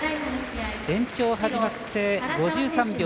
延長始まって５３秒。